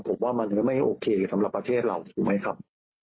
ผมว่ามันไม่โอเคสำหรับประเทศเราถูกไหมครับ